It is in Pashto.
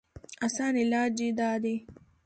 اسان علاج ئې دا دی